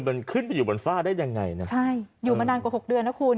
มันขึ้นไปอยู่บนฝ้าได้ยังไงนะใช่อยู่มานานกว่าหกเดือนนะคุณ